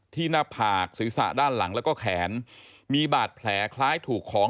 หน้าผากศีรษะด้านหลังแล้วก็แขนมีบาดแผลคล้ายถูกของ